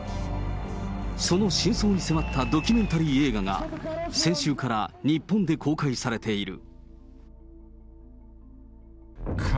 その真相に迫ったドキュメンタリー映画が、先週から日本で公開されている。